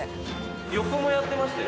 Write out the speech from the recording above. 横もやってましたよね？